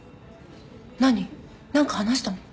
何何か話したの？